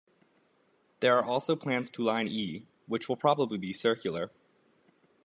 There are also plans to line E, which will probably be circular.